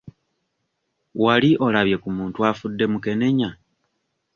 Wali olabye ku muntu afudde mukenenya?